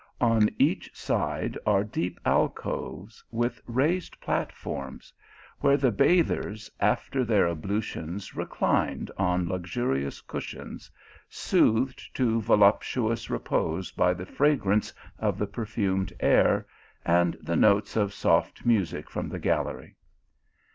On each side are deep alcoves with raised platforms, where the bathers after their ablutions reclined on luxuri ous cushions, soothed to voluptuous repose by the fragrance of the perfumed air and the notes of soft music from the gallery.